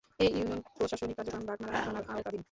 এ ইউনিয়নের প্রশাসনিক কার্যক্রম বাগমারা থানার আওতাধীন।